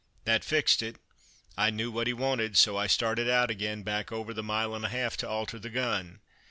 That fixed it. I knew what he wanted; so I started out again, back over the mile and a half to alter the gun.